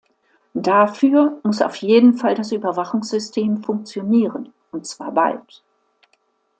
Dafür muss auf jeden Fall das Überwachungssystem funktionieren, und zwar bald.